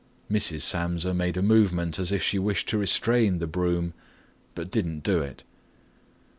Mrs. Samsa made a movement as if she wished to restrain the broom, but didn't do it.